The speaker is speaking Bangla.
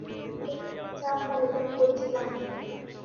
প্রচণ্ড চাপ অনুভব করছিলাম।